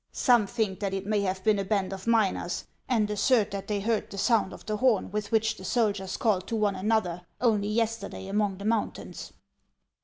" Some think that it may have been a band of miners, and assert that they heard the sound of the horn with which the soldiers call to one another, only yesterday among the mountains."